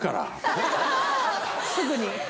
すぐに？